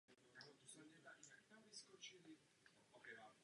Plynový měchýř může mít u různých skupin ryb specifická přizpůsobení.